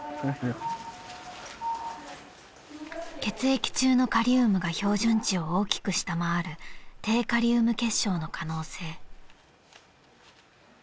［血液中のカリウムが標準値を大きく下回る低カリウム血症の可能性］